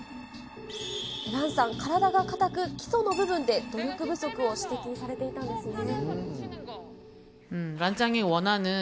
ランさん、体が硬く、基礎の部分で努力不足を指摘されていたんですね。